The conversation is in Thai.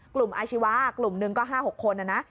กลุ่มอาชีวะกลุ่มนึงก็๕๖คนนะนะ